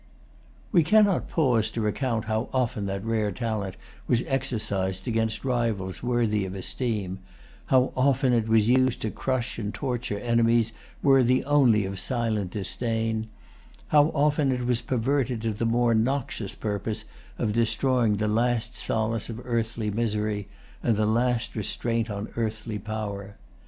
[Pg 289] We cannot pause to recount how often that rare talent was exercised against rivals worthy of esteem; how often it was used to crush and torture enemies worthy only of silent disdain; how often it was perverted to the more noxious purpose of destroying the last solace of earthly misery, and the last restraint on earthly power.